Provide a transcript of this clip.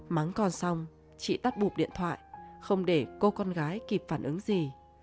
mắng con xong chị tắt bụp điện thoại không để cô con gái kịp phản ứng gì